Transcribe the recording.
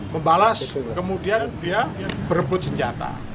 membalas kemudian dia berebut senjata